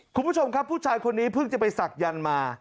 คุณผู้ชมครับผู้ชายคนนี้เพิ่งจะไปศักยันต์มา